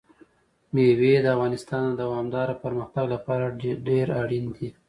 مېوې د افغانستان د دوامداره پرمختګ لپاره ډېر اړین دي.